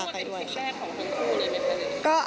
คือว่าเป็นคลิปแรกของทั้งคู่เลยไหมคะ